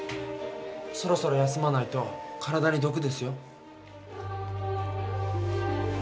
そろそろ休まないと体にどくですよ。